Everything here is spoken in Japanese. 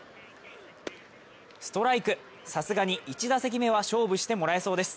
ストライク、さすがに１打席目は勝負してもらえそうです。